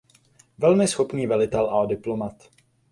Velmi schopný velitel a diplomat.